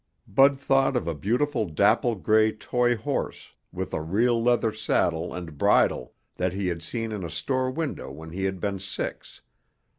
Bud thought of a beautiful dapple gray toy horse with a real leather saddle and bridle that he had seen in a store window when he had been six.